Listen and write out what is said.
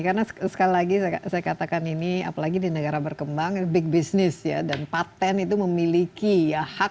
karena sekali lagi saya katakan ini apalagi di negara berkembang big business ya dan patent itu memiliki hak